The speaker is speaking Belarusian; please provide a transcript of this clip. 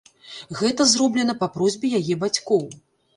Гэта зроблена па просьбе яе бацькоў.